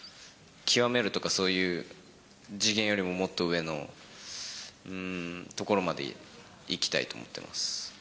極めるとか、そういう次元よりももっと上のところまで行きたいと思ってます。